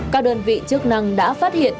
các đơn vị chức năng đã phát hiện